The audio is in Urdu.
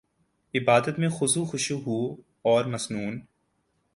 عبادت میں خضوع وخشوع ہواور مسنون